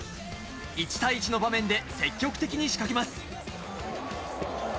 １対１の場面で積極的に仕掛けます。